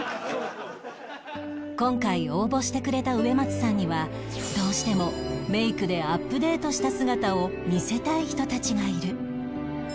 今回応募してくれた植松さんにはどうしてもメイクでアップデートした姿を見せたい人たちがいる